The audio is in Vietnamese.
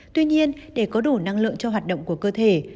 tuy nhiên để có đủ năng lượng cho hoạt động của cơ thể